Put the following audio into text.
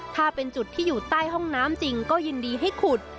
ถ้าเป็นจุดที่อยู่ใต้ห้องน้ำจริงก็ยินดีให้ขุด